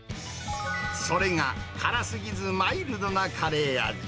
それが辛すぎずマイルドなカレー味。